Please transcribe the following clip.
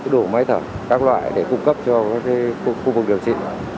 đủ máy thẩm các loại để cung cấp cho các khu vực điều trị